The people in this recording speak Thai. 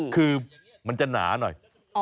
คือมันจะหนาหน่อย